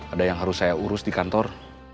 ada yang harus saya urus di kantor